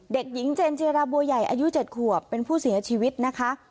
เด็กหญิงเจนจิราบัวใหญ่อายุ๗ขวบเป็นผู้เสียชีวิตนะคะ